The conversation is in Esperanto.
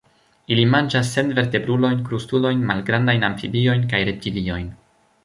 Ili manĝas senvertebrulojn, krustulojn, malgrandajn amfibiojn kaj reptiliojn.